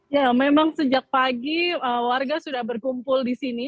ya memang sejak pagi warga sudah berkumpul di sini